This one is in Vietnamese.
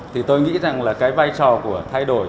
thì tôi nghĩ rằng là cái vai trò của thay đổi